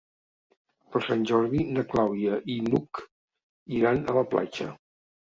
Per Sant Jordi na Clàudia i n'Hug iran a la platja.